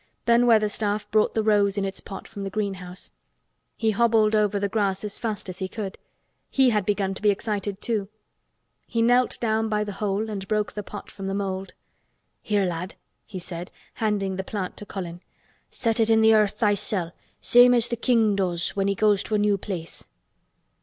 Ben Weatherstaff brought the rose in its pot from the greenhouse. He hobbled over the grass as fast as he could. He had begun to be excited, too. He knelt down by the hole and broke the pot from the mould. "Here, lad," he said, handing the plant to Colin. "Set it in the earth thysel' same as th' king does when he goes to a new place."